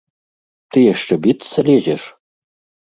Ты яшчэ біцца лезеш?